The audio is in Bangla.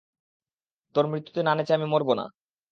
তোর মৃত্যুতে না নেচে আমি মরব না।